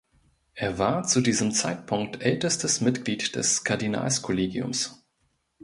Er war zu diesem Zeitpunkt ältestes Mitglied des Kardinalskollegiums.